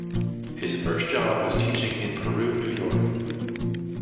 His first job was teaching in Peru, New York.